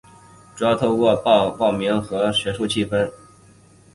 主要透过报导校园动态与制作学术节目来促进校园内的学术气氛。